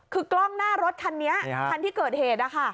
คือกล้องหน้ารถคันนี้คันที่เกิดเหตุ